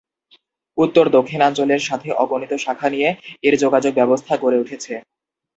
উত্তর-দক্ষিণাঞ্চলের সাথে অগণিত শাখা নিয়ে এর যোগাযোগ ব্যবস্থা গড়ে উঠেছে।